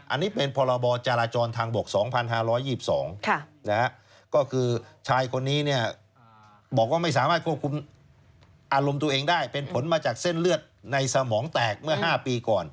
อันนี้เป็นพรบจราจรทางบก๒๕๒๒ก็คือชายคนนี้บอกว่าไม่สามารถควบคุมอารมณ์ตัวเองได้เป็นผลมาจากเส้นเลือดในสมองแตกเมื่อ๕ปีก่อน